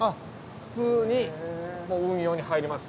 普通に運用に入ります。